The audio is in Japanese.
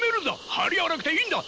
張り合わなくていいんだ！